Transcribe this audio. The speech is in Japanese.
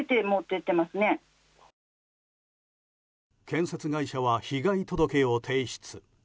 建設会社は被害届を提出。